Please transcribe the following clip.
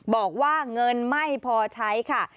บอกว่าเงินไม่พอใช้ค่ะ